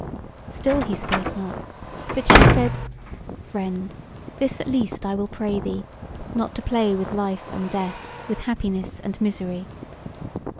Still he spake not; but she said: "Friend, this at least I will pray thee; not to play with life and death; with happiness and misery.